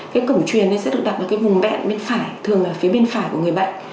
cái cổng truyền nó sẽ được đặt ở cái vùng bẹn bên phải thường là phía bên phải của người bệnh